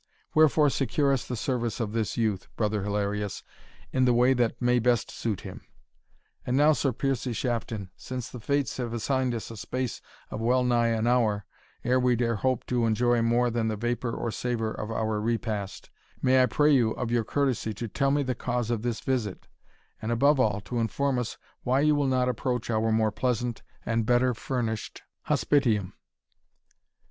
Wherefore, secure us the service of this youth, Brother Hilarius, in the way that may best suit him. And now, Sir Piercie Shafton, since the fates have assigned us a space of well nigh an hour, ere we dare hope to enjoy more than the vapour or savour of our repast, may I pray you, of your courtesy, to tell me the cause of this visit; and, above all, to inform us, why you will not approach our more pleasant and better furnished hospitium?"